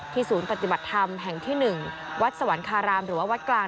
ศูนย์ปฏิบัติธรรมแห่งที่๑วัดสวรรคารามหรือว่าวัดกลาง